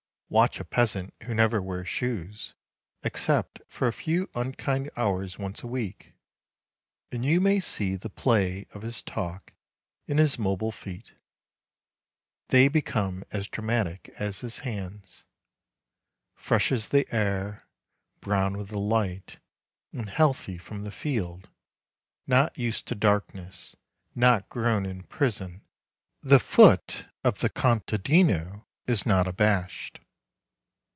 Watch a peasant who never wears shoes, except for a few unkind hours once a week, and you may see the play of his talk in his mobile feet; they become as dramatic as his hands. Fresh as the air, brown with the light, and healthy from the field, not used to darkness, not grown in prison, the foot of the contadino is not abashed.